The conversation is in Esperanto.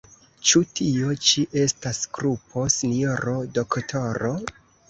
Ĉu tio ĉi estas krupo, sinjoro doktoro?